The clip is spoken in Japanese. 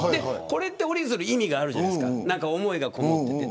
この折り鶴には意味があるじゃないですか思いがこもってて。